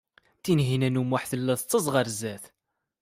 Tinhinan u Muḥ tella tettaẓ ɣer sdat.